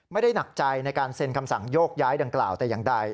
ไม่ได้หนักใจในการเซ็นคำสั่งโยกย้ายดังกล่าวแต่อย่างใด